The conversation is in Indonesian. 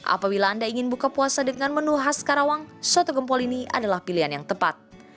apabila anda ingin buka puasa dengan menu khas karawang soto gempol ini adalah pilihan yang tepat